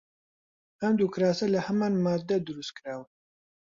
ئەم دوو کراسە لە هەمان ماددە دروست کراون.